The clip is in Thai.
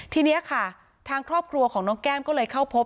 ทีนี้ค่ะทางครอบครัวของน้องแก้มก็เลยเข้าพบ